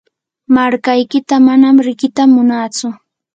markaykita manam riqita munatsu.